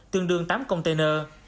tương đương tám container